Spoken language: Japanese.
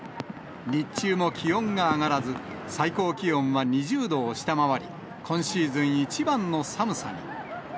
日中も気温が上がらず、最高気温は２０度を下回り、今シーズン一番の寒さに。